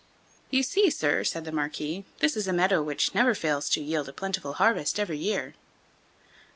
"You see, sir," said the Marquis, "this is a meadow which never fails to yield a plentiful harvest every year."